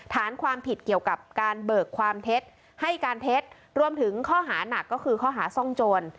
ฐานความผิดเกี่ยวกับการเบิกความเท็จให้การเท็จรวมถึงข้อหานักก็คือข้อหาซ่องโจร